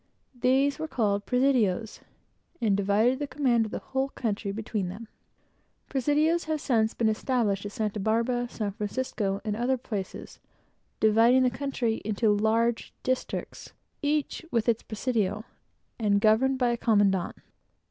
These were called Presidios, and divided the command of the whole country between them. Presidios have since been established at Santa Barbara and San Francisco; thus dividing the country into four large districts, each with its presidio, and governed by the commandant.